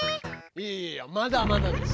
いいやまだまだです。